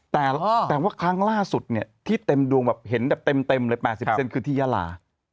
แต่ว่าครั้งล่าสุดเนี่ยที่เต็มดวงแบบเห็นแบบเต็มเลย๘๐เซนคือที่ยาลา